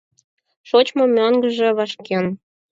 Шочмо мӧҥгыжӧ вашкен.